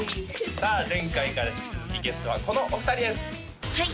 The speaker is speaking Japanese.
さあ前回から引き続きゲストはこのお二人ですはい